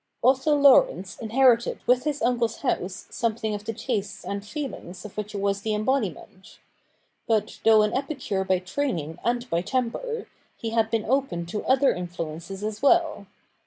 Otho Laurence inherited with his uncle's house some thing of the tastes and feelings of which it was the embodiment. But, though an epicure by training and by temper, he had been open to other influences as well.